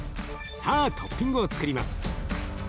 さあトッピングをつくります。